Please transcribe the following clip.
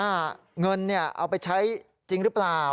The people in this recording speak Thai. เงินเอาไปใช้จริงหรือเปล่า